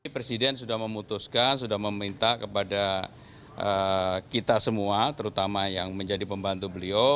presiden sudah memutuskan sudah meminta kepada kita semua terutama yang menjadi pembantu beliau